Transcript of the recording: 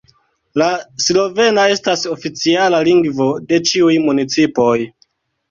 La slovena estas oficiala lingvo de ĉiuj municipoj.